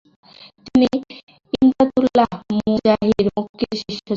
তিনি ইমদাদউল্লাহ মুহাজির মক্কির শিষ্য ছিলেন।